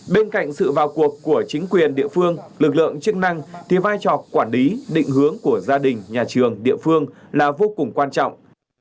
bên cạnh sự vào cuộc của chính quyền địa phương lực lượng chức năng thì vai trò quản lý định hướng của gia đình nhà trường địa phương là vô cùng quan trọng